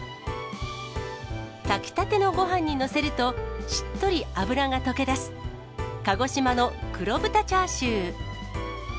炊きたてのごはんに載せると、しっとり脂が溶けだす、鹿児島の黒豚チャーシュー。